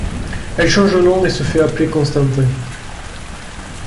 Elle change de nom et se fait appeler Constantin.